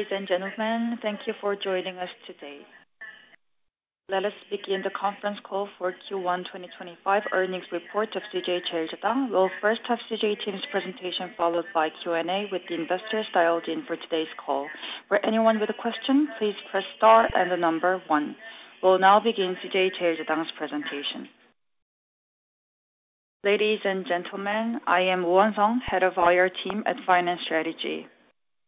Ladies and gentlemen, thank you for joining us today. Let us begin the conference call for Q1 2025 earnings report of CJ CheilJedang. We'll first have CJ team's presentation, followed by Q&A with the investor styled in for today's call. For anyone with a question, please press star and the number one. We'll now begin CJ CheilJedang's presentation. Ladies and gentlemen, I am Jun Seong, head of IR team at Finance Strategy.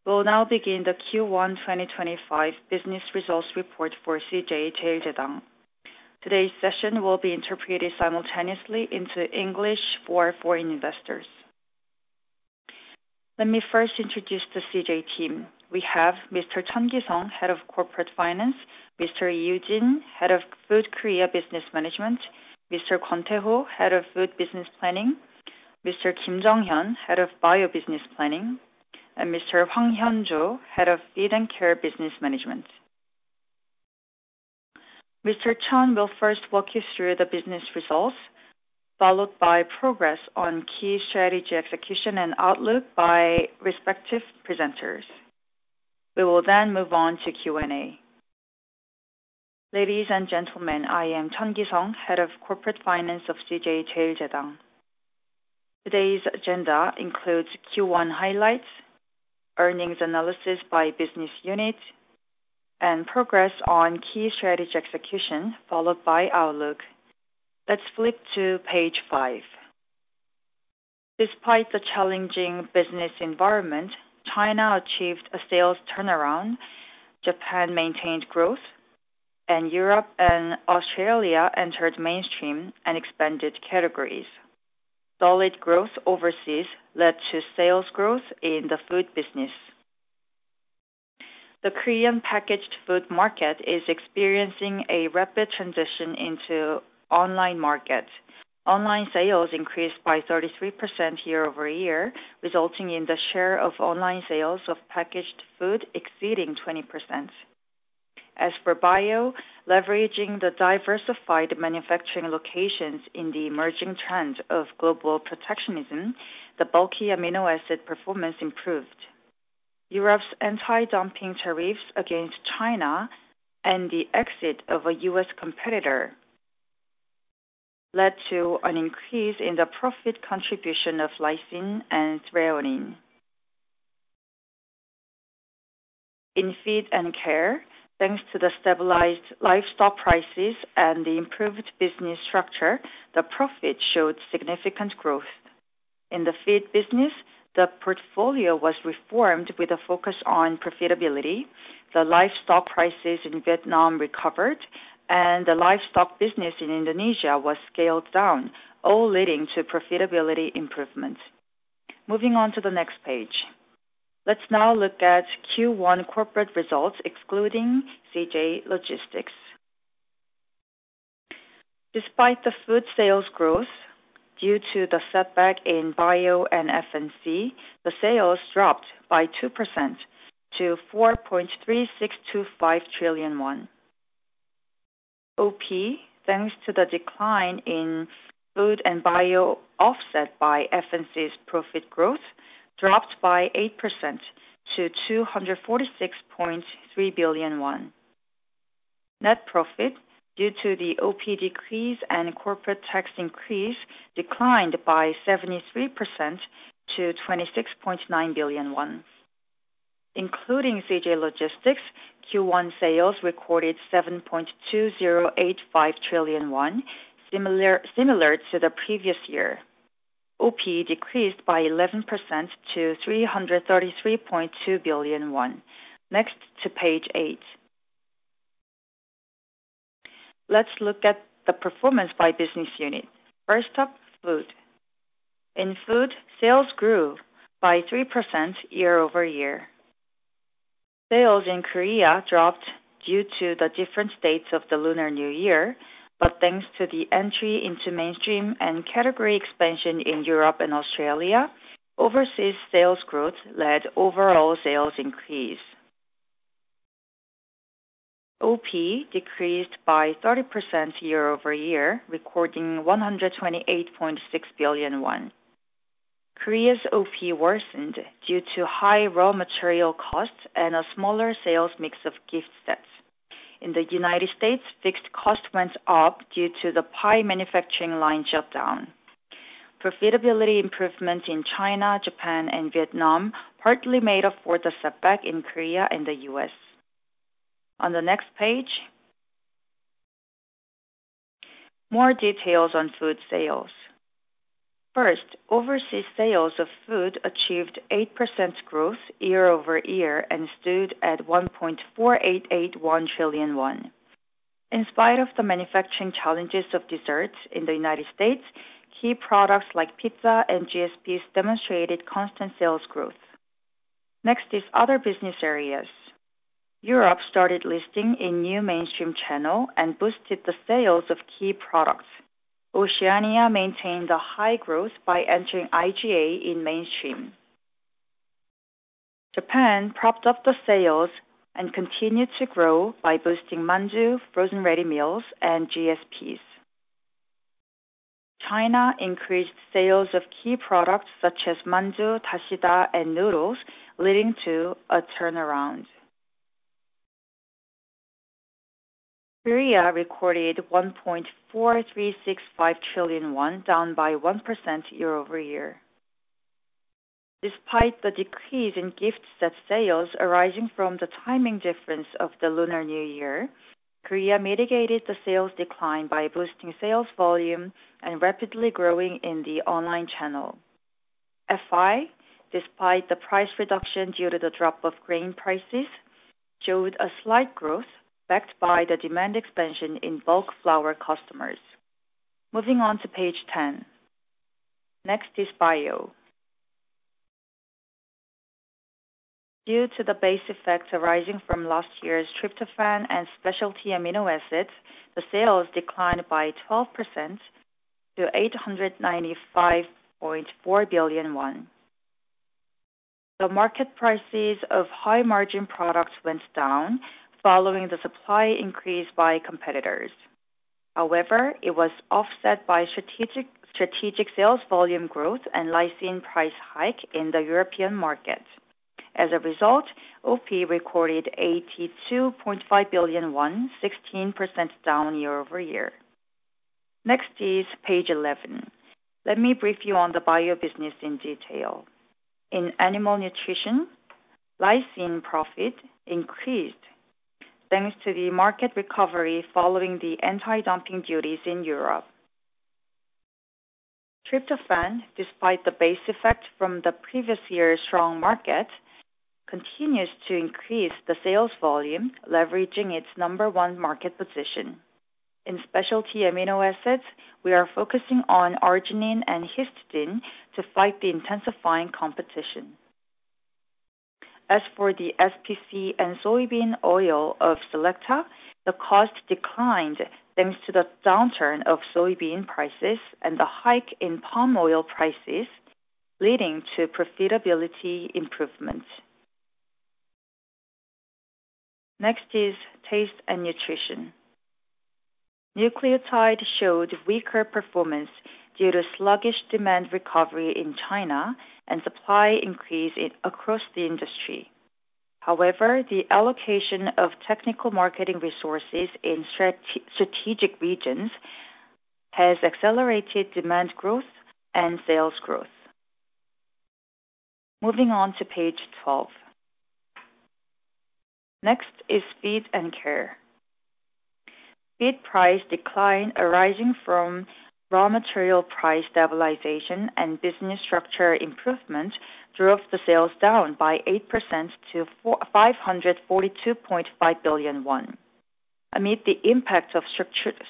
We'll now begin the Q1 2025 business results report for CJ CheilJedang. Today's session will be interpreted simultaneously into English for foreign investors. Let me first introduce the CJ team. We have Mr. Cheon Gi-seung, Head of Corporate Finance; Mr. Yoo-jin, Head of Food Korea Business Management; Mr. Kang Sin-Ho, Head of Food Business Planning; Mr. Kim Jong-hyun, Head of Bio Business Planning; and Mr. Hwang Hyun-jo, Head of Feed&Care Business Management. Mr. Cheon will first walk you through the business results, followed by progress on key strategy execution and outlook by respective presenters. We will then move on to Q&A. Ladies and gentlemen, I am Cheon Gi-seung, Head of Corporate Finance of CJ CheilJedang. Today's agenda includes Q1 highlights, earnings analysis by business unit, and progress on key strategy execution, followed by outlook. Let's flip to page five. Despite the challenging business environment, China achieved a sales turnaround, Japan maintained growth, and Europe and Australia entered mainstream and expanded categories. Solid growth overseas led to sales growth in the food business. The Korean packaged food market is experiencing a rapid transition into online markets. Online sales increased by 33% year-over-year, resulting in the share of online sales of packaged food exceeding 20%. As for bio, leveraging the diversified manufacturing locations in the emerging trend of global protectionism, the bulky amino acid performance improved. Europe's anti-dumping tariffs against China and the exit of a U.S. competitor led to an increase in the profit contribution of lysine and threonine. In feed and care, thanks to the stabilized livestock prices and the improved business structure, the profit showed significant growth. In the feed business, the portfolio was reformed with a focus on profitability, the livestock prices in Vietnam recovered, and the livestock business in Indonesia was scaled down, all leading to profitability improvement. Moving on to the next page. Let's now look at Q1 corporate results excluding CJ Logistics. Despite the food sales growth due to the setback in bio and FNC, the sales dropped by 2% to 4.3625 trillion won. OP, thanks to the decline in food and bio offset by FNC's profit growth, dropped by 8% to 246.3 billion won. Net profit due to the OP decrease and corporate tax increase declined by 73% to 26.9 billion won. Including CJ Logistics, Q1 sales recorded 7.2085 trillion won, similar to the previous year. OP decreased by 11% to 333.2 billion won. Next to page eight. Let's look at the performance by business unit. First up, food. In food, sales grew by 3% year-over-year. Sales in Korea dropped due to the different dates of the Lunar New Year, but thanks to the entry into mainstream and category expansion in Europe and Australia, overseas sales growth led overall sales increase. OP decreased by 30% year-over-year, recording 128.6 billion. Korea's OP worsened due to high raw material costs and a smaller sales mix of gift sets. In the U.S., fixed costs went up due to the pie manufacturing line shutdown. Profitability improvement in China, Japan, and Vietnam partly made up for the setback in Korea and the U.S. On the next page, more details on food sales. First, overseas sales of food achieved 8% growth year-over-year and stood at 1.4881 trillion won. In spite of the manufacturing challenges of desserts in the U.S., key products like pizza and GSPs demonstrated constant sales growth. Next is other business areas. Europe started listing a new mainstream channel and boosted the sales of key products. Oceania maintained the high growth by entering IGA in mainstream. Japan propped up the sales and continued to grow by boosting manju, frozen ready meals, and GSPs. China increased sales of key products such as manju, tashida, and noodles, leading to a turnaround. Korea recorded 1.4365 trillion won, down by 1% year-over-year. Despite the decrease in gift set sales arising from the timing difference of the Lunar New Year, Korea mitigated the sales decline by boosting sales volume and rapidly growing in the online channel. FI, despite the price reduction due to the drop of grain prices, showed a slight growth backed by the demand expansion in bulk flour customers. Moving on to page ten. Next is bio. Due to the base effect arising from last year's tryptophan and specialty amino acids, the sales declined by 12% to 895.4 billion won. The market prices of high-margin products went down following the supply increase by competitors. However, it was offset by strategic sales volume growth and lysine price hike in the European market. As a result, OP recorded 82.5 billion won, 16% down year-over-year. Next is page 11. Let me brief you on the bio business in detail. In animal nutrition, lysine profit increased thanks to the market recovery following the anti-dumping duties in Europe. Tryptophan, despite the base effect from the previous year's strong market, continues to increase the sales volume, leveraging its number one market position. In specialty amino acids, we are focusing on arginine and histidine to fight the intensifying competition. As for the SPC and soybean oil of Selecta, the cost declined thanks to the downturn of soybean prices and the hike in palm oil prices, leading to profitability improvement. Next is taste and nutrition. Nucleotide showed weaker performance due to sluggish demand recovery in China and supply increase across the industry. However, the allocation of technical marketing resources in strategic regions has accelerated demand growth and sales growth. Moving on to page 12. Next is feed and care. Feed price decline arising from raw material price stabilization and business structure improvement drove the sales down by 8% to 542.5 billion won. Amid the impacts of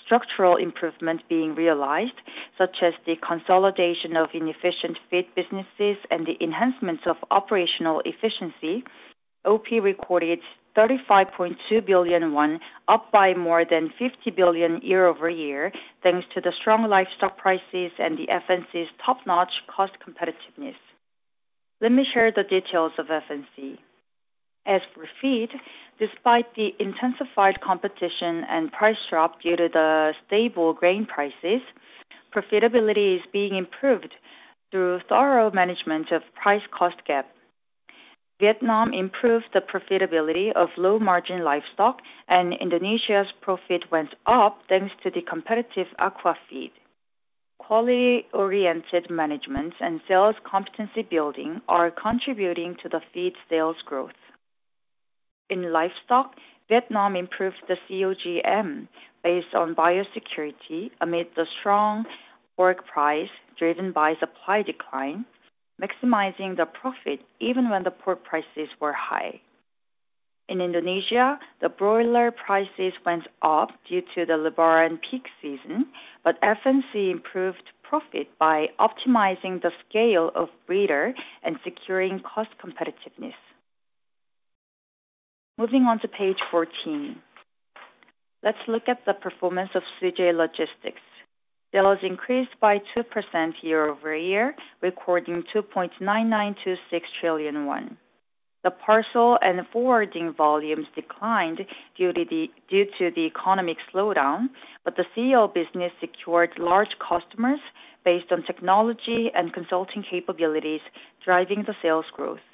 structural improvement being realized, such as the consolidation of inefficient feed businesses and the enhancement of operational efficiency, OP recorded 35.2 billion won, up by more than 50 billion year-over-year, thanks to the strong livestock prices and the FNC's top-notch cost competitiveness. Let me share the details of FNC. As for feed, despite the intensified competition and price drop due to the stable grain prices, profitability is being improved through thorough management of price-cost gap. Vietnam improved the profitability of low-margin livestock, and Indonesia's profit went up thanks to the competitive aquafeed. Quality-oriented management and sales competency building are contributing to the feed sales growth. In livestock, Vietnam improved the COGM based on biosecurity amid the strong pork price driven by supply decline, maximizing the profit even when the pork prices were high. In Indonesia, the broiler prices went up due to the Lebaran peak season, but FNC improved profit by optimizing the scale of breeder and securing cost competitiveness. Moving on to page 14. Let's look at the performance of CJ Logistics. Sales increased by 2% year-over-year, recording 2.9926 trillion won. The parcel and forwarding volumes declined due to the economic slowdown, but the CO business secured large customers based on technology and consulting capabilities, driving the sales growth.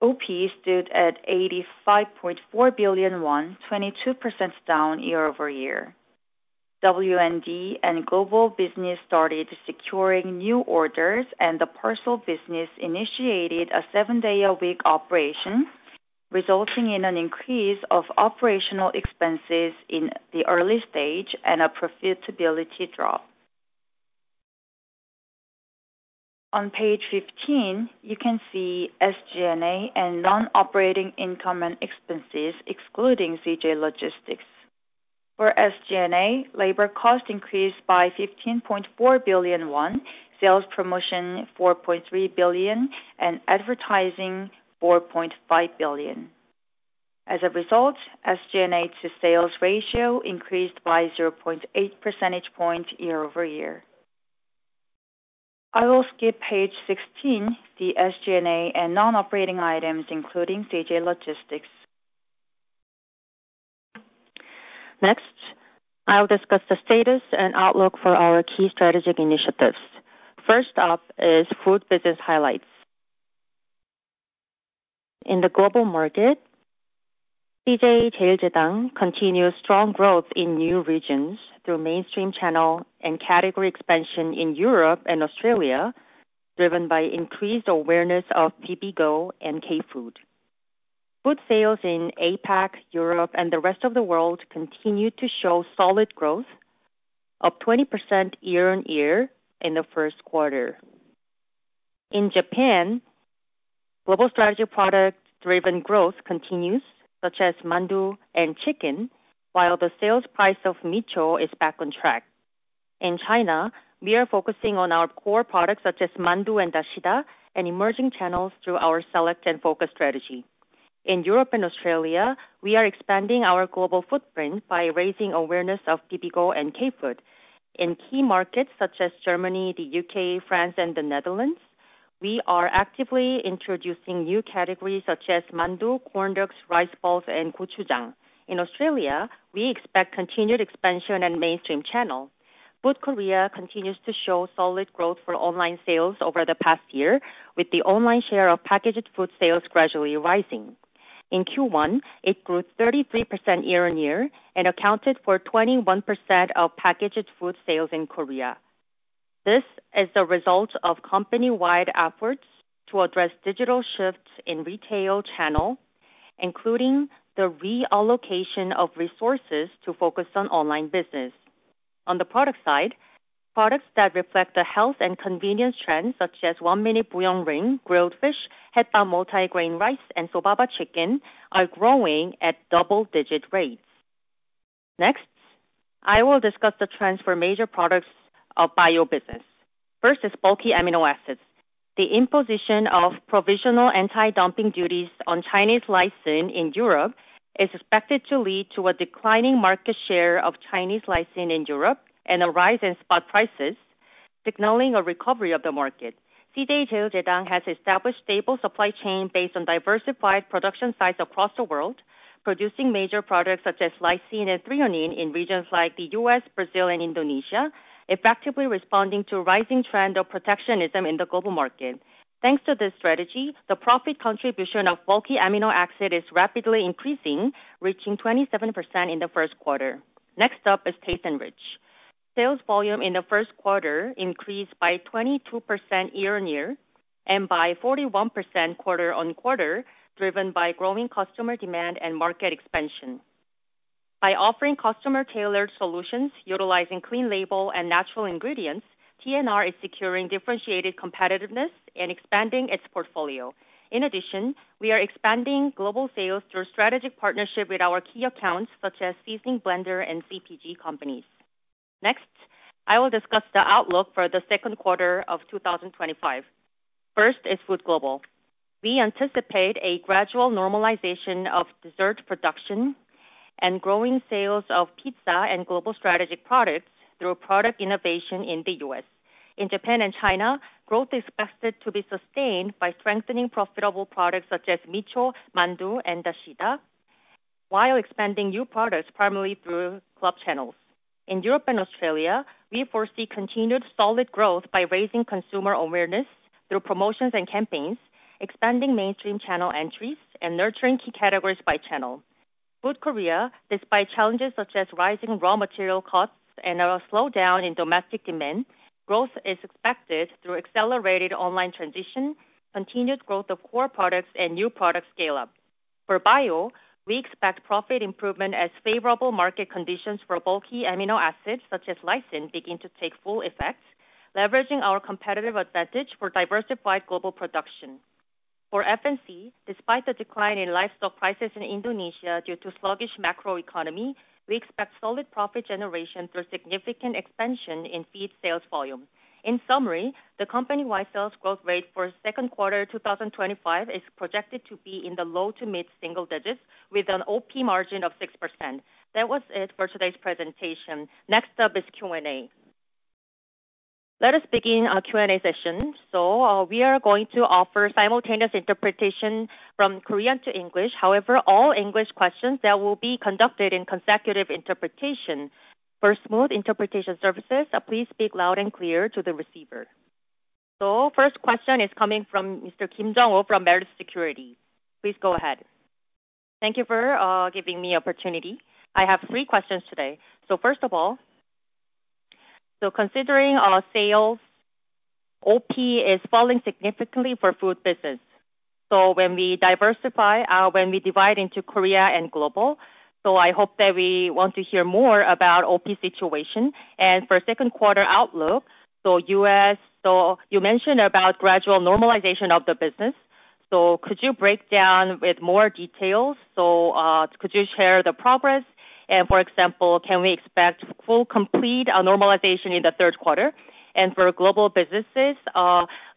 OP stood at 85.4 billion won, 22% down year-over-year. WND and Global Business started securing new orders, and the parcel business initiated a seven-day-a-week operation, resulting in an increase of operational expenses in the early stage and a profitability drop. On page 15, you can see SG&A and non-operating income and expenses, excluding CJ Logistics. For SG&A, labor cost increased by 15.4 billion won, sales promotion 4.3 billion, and advertising 4.5 billion. As a result, SG&A to sales ratio increased by 0.8 percentage points year-over-year. I will skip page 16, the SG&A and non-operating items, including CJ Logistics. Next, I'll discuss the status and outlook for our key strategic initiatives. First up is food business highlights. In the global market, CJ CheilJedang continues strong growth in new regions through mainstream channel and category expansion in Europe and Australia, driven by increased awareness of Bibigo and K-Food. Food sales in APAC, Europe, and the rest of the world continue to show solid growth of 20% year on year in the first quarter. In Japan, global strategy product-driven growth continues, such as manju and chicken, while the sales price of Micho is back on track. In China, we are focusing on our core products, such as manju and DASIDA, and emerging channels through our select and focus strategy. In Europe and Australia, we are expanding our global footprint by raising awareness of Bibigo and K-Food. In key markets such as Germany, the U.K., France, and the Netherlands, we are actively introducing new categories such as manju, corn dogs, rice balls, and gochujang. In Australia, we expect continued expansion and mainstream channel. Food Korea continues to show solid growth for online sales over the past year, with the online share of packaged food sales gradually rising. In Q1, it grew 33% year-on-year and accounted for 21% of packaged food sales in Korea. This is the result of company-wide efforts to address digital shifts in retail channel, including the reallocation of resources to focus on online business. On the product side, products that reflect the health and convenience trends, such as one-minute bouillon ring, grilled fish, hepa multigrain rice, and sobaba chicken, are growing at double-digit rates. Next, I will discuss the trends for major products of bio business. First is bulky amino acids. The imposition of provisional anti-dumping duties on Chinese lysine in Europe is expected to lead to a declining market share of Chinese lysine in Europe and a rise in spot prices, signaling a recovery of the market. CJ CheilJedang has established stable supply chains based on diversified production sites across the world, producing major products such as lysine and Threonine in regions like the U.S., Brazil, and Indonesia, effectively responding to a rising trend of protectionism in the global market. Thanks to this strategy, the profit contribution of bulky amino acids is rapidly increasing, reaching 27% in the first quarter. Next up is taste and rich. Sales volume in the first quarter increased by 22% year-on-year and by 41% quarter on quarter, driven by growing customer demand and market expansion. By offering customer-tailored solutions utilizing clean label and natural ingredients, TNR is securing differentiated competitiveness and expanding its portfolio. In addition, we are expanding global sales through strategic partnerships with our key accounts such as seasoning blender and CPG companies. Next, I will discuss the outlook for the second quarter of 2025. First is Food Global. We anticipate a gradual normalization of dessert production and growing sales of pizza and global strategic products through product innovation in the U.S. In Japan and China, growth is expected to be sustained by strengthening profitable products such as Micho, mandu, and DASIDA, while expanding new products primarily through club channels. In Europe and Australia, we foresee continued solid growth by raising consumer awareness through promotions and campaigns, expanding mainstream channel entries, and nurturing key categories by channel. Food Korea, despite challenges such as rising raw material costs and a slowdown in domestic demand, growth is expected through accelerated online transition, continued growth of core products, and new product scale-up. For bio, we expect profit improvement as favorable market conditions for bulky amino acids such as lysine begin to take full effect, leveraging our competitive advantage for diversified global production. For FNC, despite the decline in livestock prices in Indonesia due to sluggish macroeconomy, we expect solid profit generation through significant expansion in feed sales volume. In summary, the company-wide sales growth rate for the second quarter of 2025 is projected to be in the low to mid single digits, with an OP margin of 6%. That was it for today's presentation. Next up is Q&A. Let us begin our Q&A session. We are going to offer simultaneous interpretation from Korean to English. However, all English questions will be conducted in consecutive interpretation. For smooth interpretation services, please speak loud and clear to the receiver. The first question is coming from Mr. Kim Jun Woo from Meritz Securities. Please go ahead. Thank you for giving me the opportunity. I have three questions today. First of all, considering sales, OP is falling significantly for food business. When we diversify, when we divide into Korea and global, I hope that we want to hear more about the OP situation. For the second quarter outlook, U.S., you mentioned about gradual normalization of the business. Could you break down with more details? Could you share the progress? For example, can we expect full complete normalization in the third quarter? For global businesses,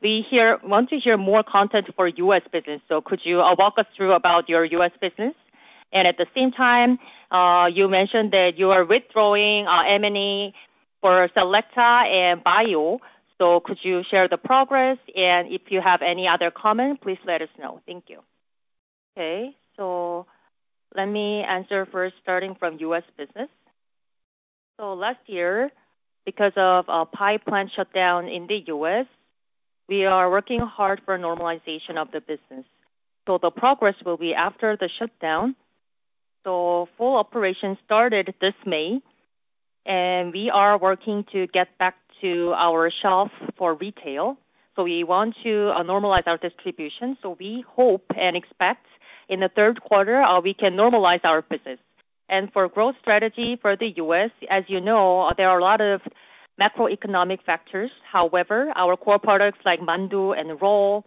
we want to hear more content for U.S. business. Could you walk us through about your U.S. business? At the same time, you mentioned that you are withdrawing M&A for Selecta and bio. Could you share the progress? If you have any other comments, please let us know. Thank you. Okay. Let me answer first, starting from U.S. business. Last year, because of a pipeline shutdown in the U.S., we are working hard for normalization of the business. The progress will be after the shutdown. Full operation started this May, and we are working to get back to our shelf for retail. We want to normalize our distribution. We hope and expect in the third quarter, we can normalize our business. For growth strategy for the U.S., as you know, there are a lot of macroeconomic factors. However, our core products like mandu and roll,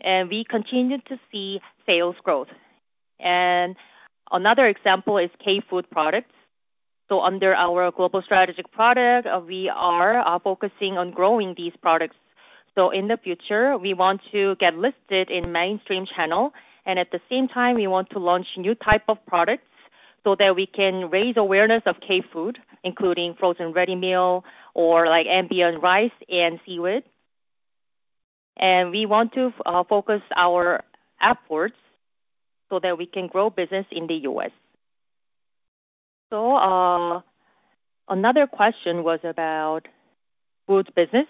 and we continue to see sales growth. Another example is K-Food products. Under our global strategic product, we are focusing on growing these products. In the future, we want to get listed in mainstream channel. At the same time, we want to launch new types of products so that we can raise awareness of K-Food, including frozen ready meal or ambient rice and seaweed. We want to focus our efforts so that we can grow business in the U.S. Another question was about food business.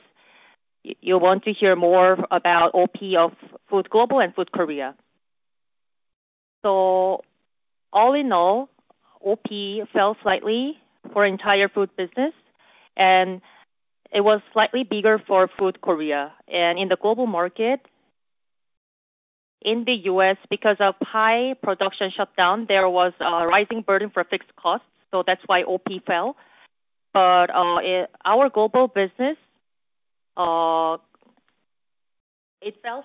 You want to hear more about OP of Food Global and Food Korea. All in all, OP fell slightly for entire food business, and it was slightly bigger for Food Korea. In the global market, in the U.S., because of high production shutdown, there was a rising burden for fixed costs. That is why OP fell. Our global business, it fell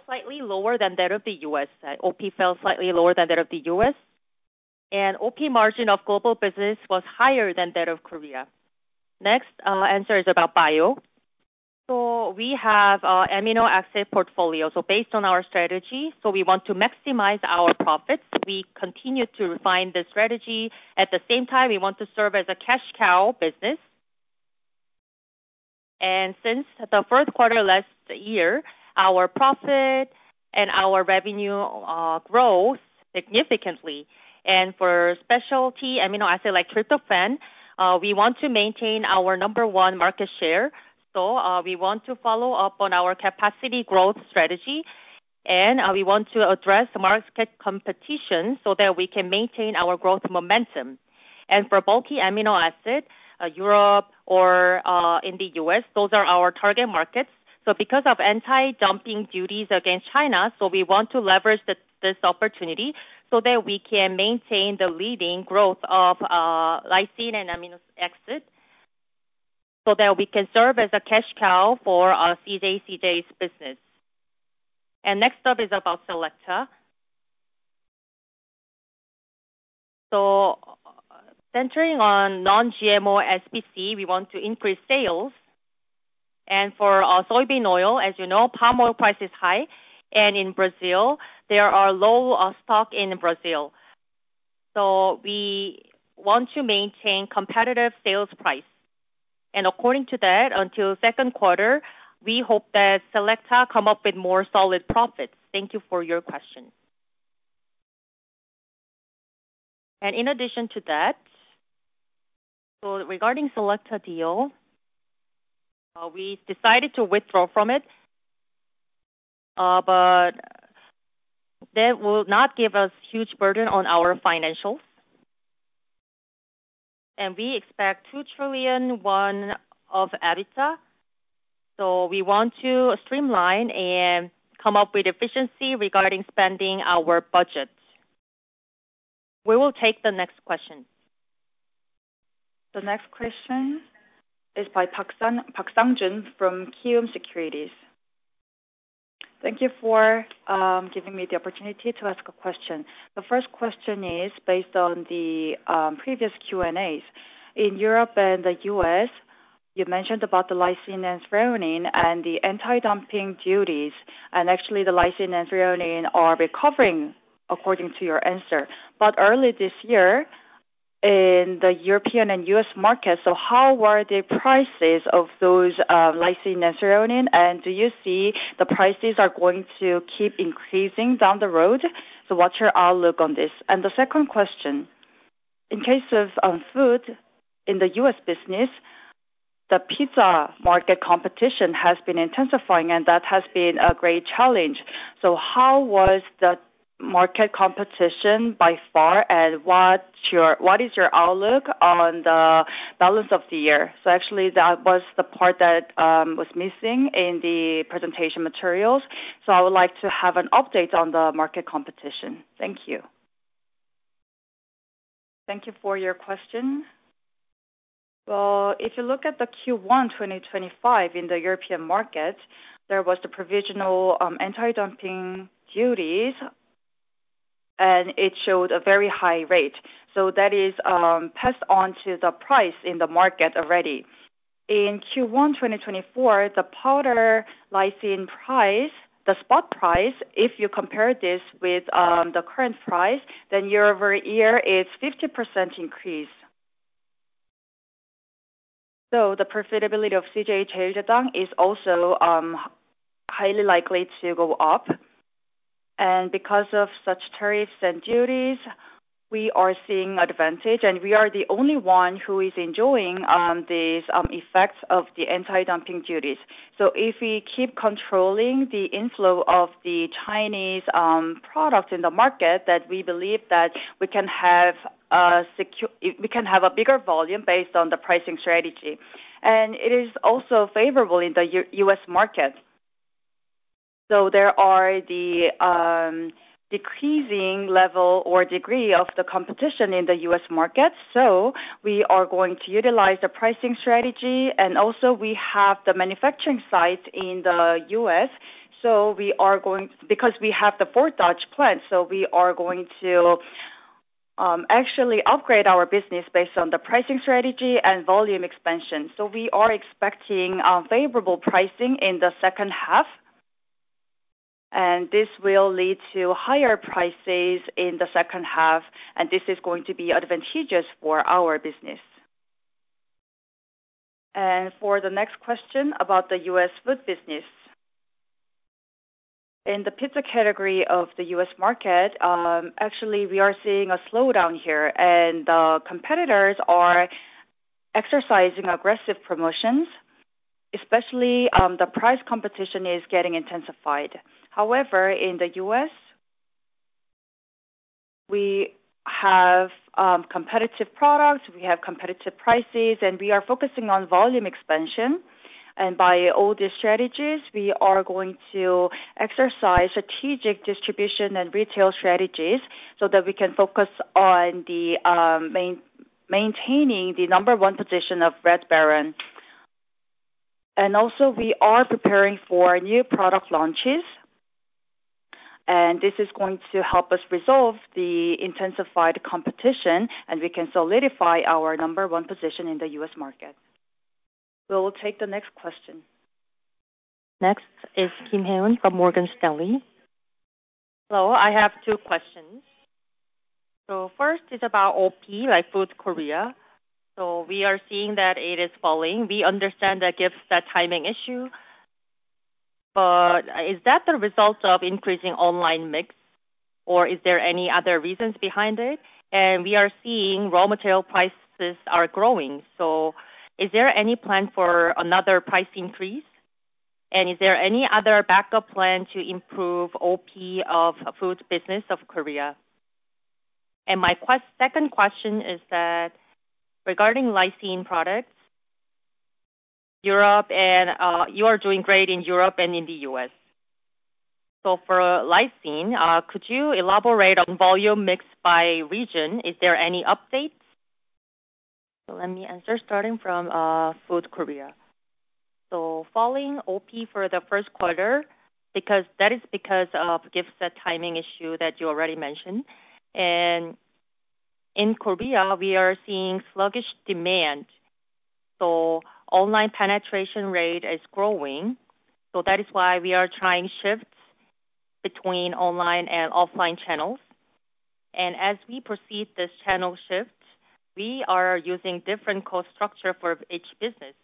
slightly lower than that of the U.S. OP fell slightly lower than that of the U.S. OP margin of global business was higher than that of Korea. Next answer is about bio. We have amino acid portfolio. Based on our strategy, we want to maximize our profits. We continue to refine the strategy. At the same time, we want to serve as a cash cow business. Since the first quarter last year, our profit and our revenue grow significantly. For specialty amino acid like tryptophan, we want to maintain our number one market share. We want to follow up on our capacity growth strategy. We want to address market competition so that we can maintain our growth momentum. For bulky amino acid, Europe or in the U.S., those are our target markets. Because of anti-dumping duties against China, we want to leverage this opportunity so that we can maintain the leading growth of lysine and amino acid so that we can serve as a cash cow for CJ CJ's business. Next up is about Selecta. Centering on non-GMO SPC, we want to increase sales. For soybean oil, as you know, palm oil price is high. In Brazil, there are low stock in Brazil. We want to maintain competitive sales price. According to that, until the second quarter, we hope that Selecta comes up with more solid profits. Thank you for your question. In addition to that, regarding the Selecta deal, we decided to withdraw from it, but that will not give us a huge burden on our financials. We expect 2 trillion won of EBITDA. We want to streamline and come up with efficiency regarding spending our budget. We will take the next question. The next question is by Park Sangjun from Kiwoom Securities. Thank you for giving me the opportunity to ask a question. The first question is based on the previous Q&As. In Europe and the U.S., you mentioned about the lysine and threonine and the anti-dumping duties. Actually, the lysine and threonine are recovering according to your answer. Early this year in the European and U.S. markets, how were the prices of those lysine and threonine? Do you see the prices are going to keep increasing down the road? What's your outlook on this? The second question, in case of food in the U.S. business, the pizza market competition has been intensifying, and that has been a great challenge. How was the market competition by far, and what is your outlook on the balance of the year? That was the part that was missing in the presentation materials. I would like to have an update on the market competition. Thank you. Thank you for your question. If you look at Q1 2025 in the European market, there was the provisional anti-dumping duties, and it showed a very high rate. That is passed on to the price in the market already. In Q1 2024, the powder lysine price, the spot price, if you compare this with the current price, then year-over-year is a 50% increase. The profitability of CJ CheilJedang is also highly likely to go up. Because of such tariffs and duties, we are seeing advantage, and we are the only one who is enjoying these effects of the anti-dumping duties. If we keep controlling the inflow of the Chinese products in the market, we believe that we can have a bigger volume based on the pricing strategy. It is also favorable in the U.S. market. There are the decreasing level or degree of the competition in the U.S. market. We are going to utilize the pricing strategy. Also, we have the manufacturing site in the U.S. We are going, because we have the Ford Dodge plant, we are going to actually upgrade our business based on the pricing strategy and volume expansion. We are expecting favorable pricing in the second half. This will lead to higher prices in the second half. This is going to be advantageous for our business. For the next question about the U.S. food business, in the pizza category of the U.S. market, actually, we are seeing a slowdown here. The competitors are exercising aggressive promotions, especially the price competition is getting intensified. However, in the U.S., we have competitive products, we have competitive prices, and we are focusing on volume expansion. By all these strategies, we are going to exercise strategic distribution and retail strategies so that we can focus on maintaining the number one position of Red Baron. Also, we are preparing for new product launches. This is going to help us resolve the intensified competition, and we can solidify our number one position in the U.S. market. We will take the next question. Next is Kim Hyun from Morgan Stanley. Hello. I have two questions. First is about OP, like Food Korea. We are seeing that it is falling. We understand that gives that timing issue. Is that the result of increasing online mix, or is there any other reasons behind it? We are seeing raw material prices are growing. Is there any plan for another price increase? Is there any other backup plan to improve OP of food business of Korea? My second question is that regarding lysine products, you are doing great in Europe and in the U.S. For lysine, could you elaborate on volume mix by region? Is there any updates? Let me answer starting from Food Korea. Falling OP for the first quarter, that is because of GIFSA timing issue that you already mentioned. In Korea, we are seeing sluggish demand. Online penetration rate is growing. That is why we are trying shifts between online and offline channels. As we proceed this channel shift, we are using different cost structure for each business.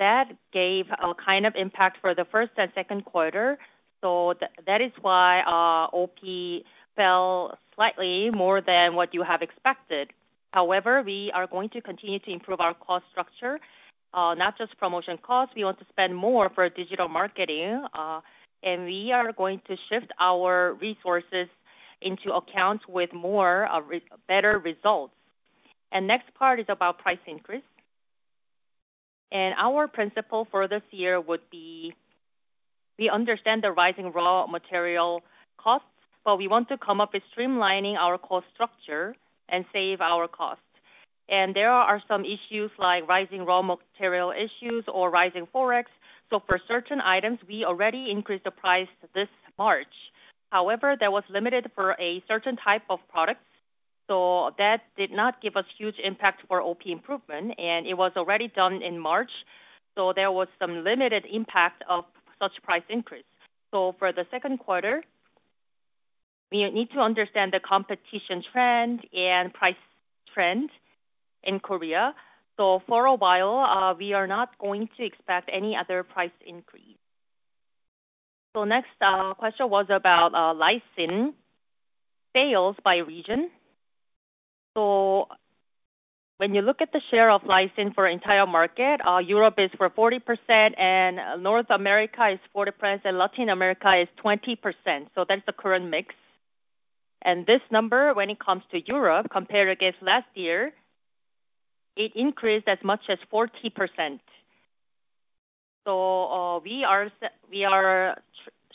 That gave a kind of impact for the first and second quarter. That is why OP fell slightly more than what you have expected. However, we are going to continue to improve our cost structure, not just promotion costs. We want to spend more for digital marketing. We are going to shift our resources into accounts with better results. The next part is about price increase. Our principle for this year would be we understand the rising raw material costs, but we want to come up with streamlining our cost structure and save our costs. There are some issues like rising raw material issues or rising forex. For certain items, we already increased the price this March. However, that was limited for a certain type of products. That did not give us huge impact for OP improvement. It was already done in March, so there was some limited impact of such price increase. For the second quarter, we need to understand the competition trend and price trend in Korea. For a while, we are not going to expect any other price increase. The next question was about lysine sales by region. When you look at the share of lysine for the entire market, Europe is 40%, North America is 40%, and Latin America is 20%. That is the current mix. This number, when it comes to Europe, compared against last year, increased as much as 40%. We are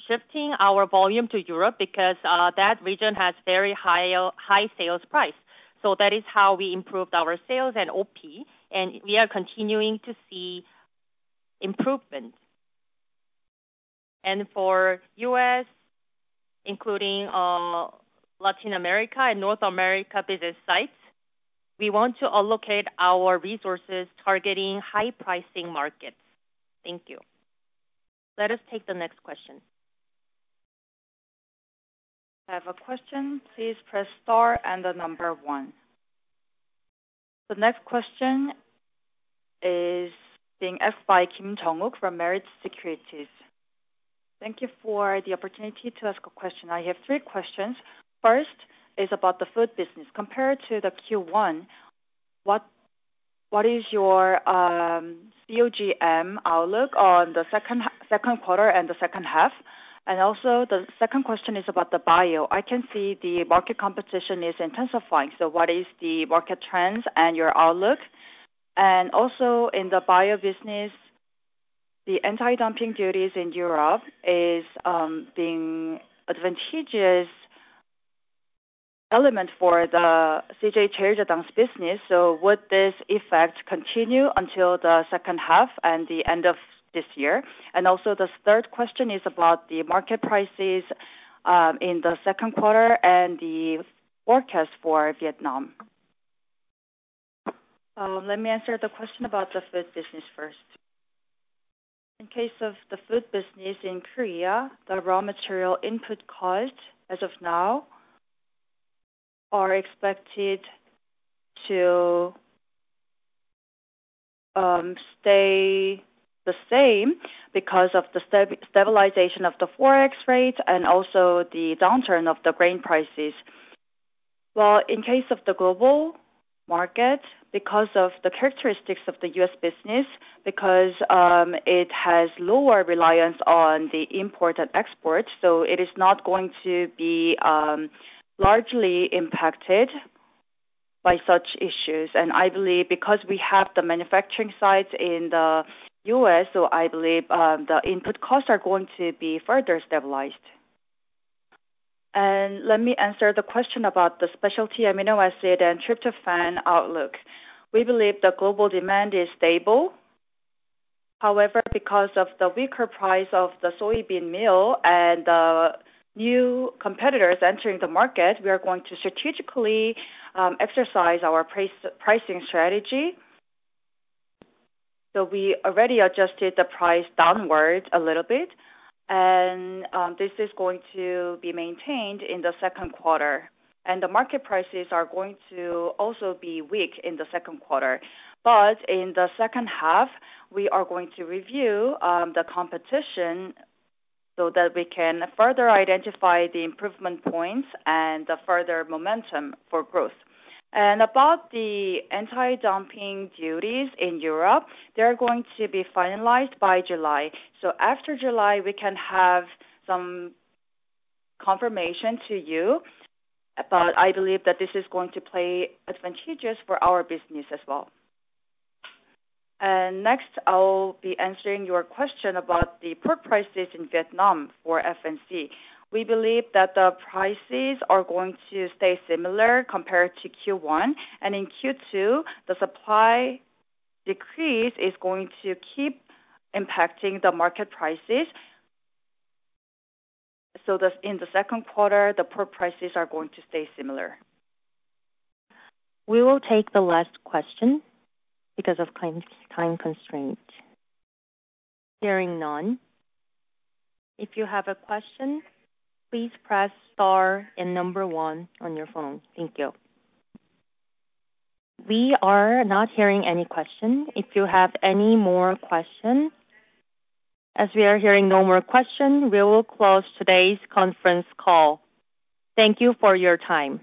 shifting our volume to Europe because that region has very high sales price. That is how we improved our sales and OP. We are continuing to see improvement. For the U.S., including Latin America and North America business sites, we want to allocate our resources targeting high-pricing markets. Thank you. Let us take the next question. I have a question. Please press star and the number one. The next question is being asked by Kim Jun Woo from Meritz Securities. Thank you for the opportunity to ask a question. I have three questions. First is about the food business. Compared to the Q1, what is your COGM outlook on the second quarter and the second half? Also, the second question is about the bio. I can see the market competition is intensifying. What is the market trends and your outlook? Also, in the bio business, the anti-dumping duties in Europe is being an advantageous element for the CJ CheilJedang's business. Would this effect continue until the second half and the end of this year? Also, the third question is about the market prices in the second quarter and the forecast for Vietnam. Let me answer the question about the food business first. In case of the food business in Korea, the raw material input costs as of now are expected to stay the same because of the stabilization of the forex rate and also the downturn of the grain prices. In case of the global market, because of the characteristics of the U.S. business, because it has lower reliance on the import and export, it is not going to be largely impacted by such issues. I believe because we have the manufacturing sites in the U.S., I believe the input costs are going to be further stabilized. Let me answer the question about the specialty amino acid and tryptophan outlook. We believe the global demand is stable. However, because of the weaker price of the soybean meal and the new competitors entering the market, we are going to strategically exercise our pricing strategy. We already adjusted the price downward a little bit. This is going to be maintained in the second quarter. The market prices are going to also be weak in the second quarter. In the second half, we are going to review the competition so that we can further identify the improvement points and the further momentum for growth. About the anti-dumping duties in Europe, they are going to be finalized by July. After July, we can have some confirmation to you. I believe that this is going to play advantageous for our business as well. Next, I'll be answering your question about the pork prices in Vietnam for FNC. We believe that the prices are going to stay similar compared to Q1. In Q2, the supply decrease is going to keep impacting the market prices. In the second quarter, the pork prices are going to stay similar. We will take the last question because of time constraint. Hearing none. If you have a question, please press star and number one on your phone. Thank you. We are not hearing any questions. If you have any more questions, as we are hearing no more questions, we will close today's conference call. Thank you for your time.